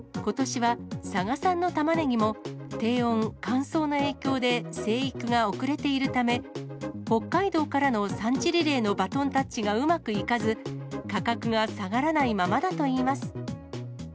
ことしは、佐賀産のタマネギも低温、乾燥の影響で生育が遅れているため、北海道からの産地リレーのバトンタッチがうまくいかず、価格が下がらないままだといいます。